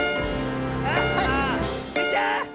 あ！スイちゃん！